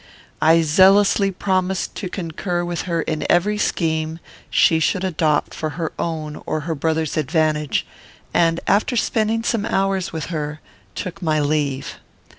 I zealously promised to concur with her in every scheme she should adopt for her own or her brother's advantage; and, after spending some hours with her, took my leave.